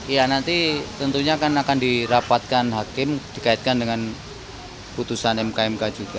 ya nanti tentunya akan dirapatkan hakim dikaitkan dengan putusan mk mk juga